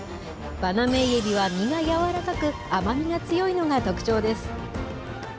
バナメイエビは身がやわらかく、甘みが強いのが特徴です。